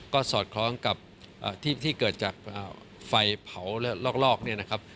ก็สอดคล้องกับอ่าที่ที่เกิดจากอ่าไฟเผาและลอกลอกเนี่ยนะครับ